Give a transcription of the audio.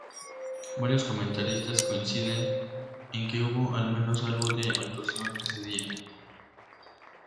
Varios comentaristas coinciden en que hubo al menos algo de actuación ese día.